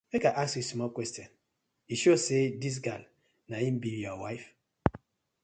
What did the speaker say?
Mek I ask yu small question, yu sure say dis gal na im be yur wife?